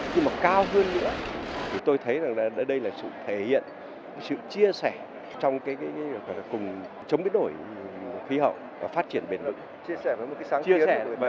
nhưng mà cao hơn nữa tôi thấy đây là sự thể hiện sự chia sẻ trong cái chống biến đổi khí hậu và phát triển việt nam